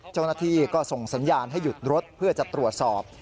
เจ้าหน้าที่ก็ส่งสัญญาณให้หยุดรถเพื่อจะตรวจสอบ